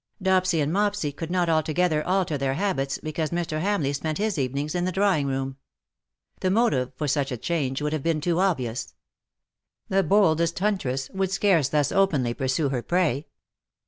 Dopsy and Mopsy could not altogether alter their habits because Mr. Hamleigh spent his evenings in the drawing room : the THAT THE DAY WILL END." 235 motive for such a change would have been too obvious. The boldest huntress would scarce thus openly pursue her prey.